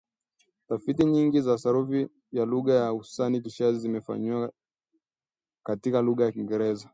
Tafiti nyingi za sarufi ya lugha hususan kishazi zimefanywa katika lugha ya Kiingreza